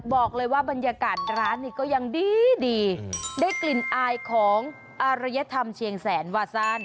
บรรยากาศร้านนี่ก็ยังดีดีได้กลิ่นอายของอารยธรรมเชียงแสนวาซาน